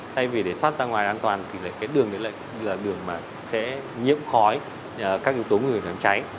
thay vì để thoát ra ngoài an toàn thì cái đường đấy lại là đường mà sẽ nhiễm khói các yếu tố người nắm cháy